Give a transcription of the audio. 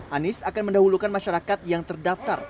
anies akan mendahulukan masyarakat yang terdaftar